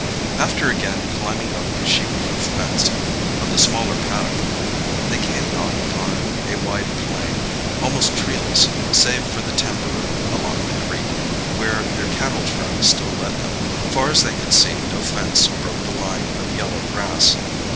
After again climbing over the sheep proof fence of the smaller paddock they came out upon a wide plain, almost treeless, save for the timber along the creek, where their cattle track still led them. Far as they could see no fence broke the line of yellow grass.